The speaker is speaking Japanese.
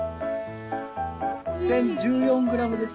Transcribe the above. １０１４グラムです。